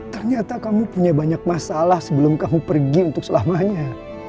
ternyata kamu punya banyak masalah sebelum kamu pergi untuk selamanya